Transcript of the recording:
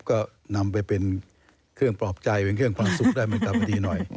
ก็นำไปเป็นเครื่องปลอบใจเป็นเครื่องความสุขได้ไม่ต่ำดีหน่อย